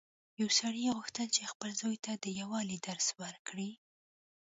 یو سړي غوښتل چې خپل زوی ته د یووالي درس ورکړي.